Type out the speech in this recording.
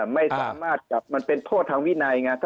ไม่สามารถจับมันเป็นโทษทางวินัยไง